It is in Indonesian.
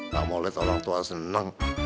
tak boleh tau orang tua seneng